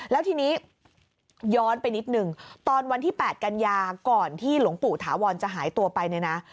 แล้วทีนี้ย้อนไปนิดหนึ่งตอนวันที่๘กันยาก่อนที่หลวงปู่ถาวรจะหายตัวไปเนี่ยนะ